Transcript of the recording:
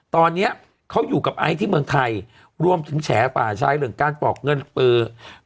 ตอนนี้เขาอยู่กับไอซ์ที่เมืองไทยรวมถึงแฉป่าชายเรื่องการปอกเงินเอ่อ